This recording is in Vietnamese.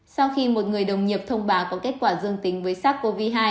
sau khi một người đồng nghiệp thông báo có kết quả dương tính với sars cov hai